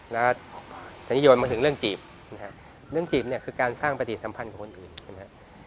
แล้วจะนิยมมาถึงเรื่องจีบนะฮะเรื่องจีบเนี่ยคือการสร้างปฏิสัมพันธ์กับคนอื่นใช่ไหมฮะ